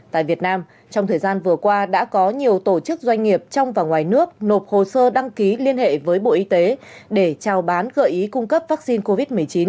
tại việt nam trong thời gian vừa qua đã có nhiều tổ chức doanh nghiệp trong và ngoài nước nộp hồ sơ đăng ký liên hệ với bộ y tế để trao bán gợi ý cung cấp vaccine covid một mươi chín